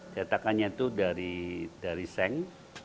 tetapkannya itu dari seng